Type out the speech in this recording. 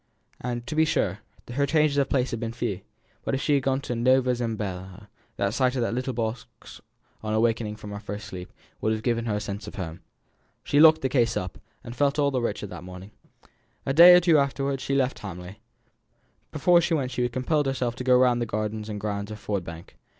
To be sure, her changes of place had been but few; but if she had gone to Nova Zembla, the sight of that little leather box on awaking from her first sleep, would have given her a sense of home. She locked the case up again, and felt all the richer for that morning. A day or two afterwards she left Hamley. Before she went she compelled herself to go round the gardens and grounds of Ford Bank.